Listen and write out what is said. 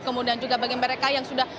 kemudian juga bagi mereka yang sudah